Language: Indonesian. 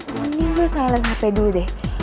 mending gue silent hp dulu deh